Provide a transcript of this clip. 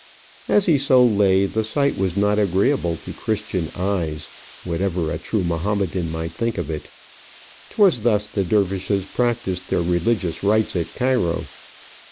As he so lay, the sight was not agreeable to Christian eyes, whatever a true Mahomedan might think of it. 'Twas thus the dervishes practised their religious rites at Cairo.